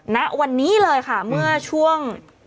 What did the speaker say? ณวันนี้เลยค่ะเมื่อช่วง